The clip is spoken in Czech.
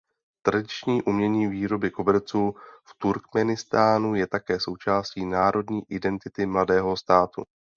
Tradiční umění výroby koberců v Turkmenistánu je také součástí národní identity mladého státu.